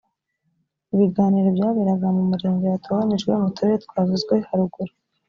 ibiganiro byaberaga mu murenge watoranyijwe mu turere twavuzwe haruguru